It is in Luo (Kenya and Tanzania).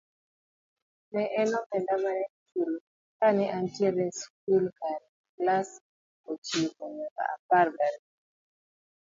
Ne en omenda mane ochulo kane entie skul ckare klass ochiko nyaka apar gariyo.